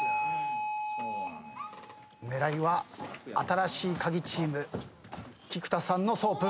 狙いは新しいカギチーム菊田さんのソープ。